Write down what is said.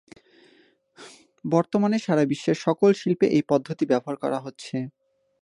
বর্তমানে সারা বিশ্বের সকল শিল্পে এই পদ্ধতি ব্যবহার করা হচ্ছে।